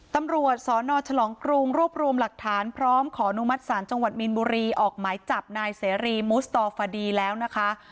ตำรวจสนฉลองกรุงรวบรวมหลักฐานพร้อมขออนุมัติศาลจังหวัดมีนบุรีออกหมายจับนายเสรีมุสตดีแล้วนะคะ